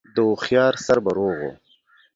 د هوښيار سر به روغ و